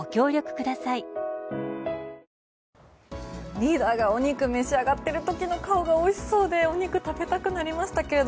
リーダーがお肉を召し上がっている時の顔がおいしそうでお肉、食べたくなりましたけど。